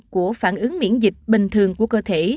của phản ứng miễn dịch bình thường của cơ thể